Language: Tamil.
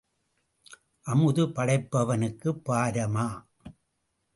அமுது படைப்பவனுக்குப் பாரமா?